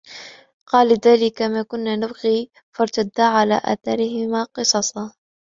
قال ذلك ما كنا نبغ فارتدا على آثارهما قصصا